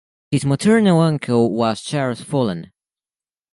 His maternal uncle was Charles Follen.